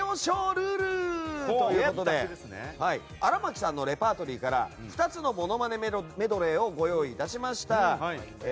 ルールということで荒牧さんのレパートリーから２つのモノマネメドレーをご用意致しました。